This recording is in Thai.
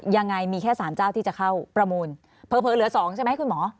ยังไงมีแค่๓เจ้าที่จะเข้าประมูลเผลอเหลือ๒ใช่ไหมคุณหมอ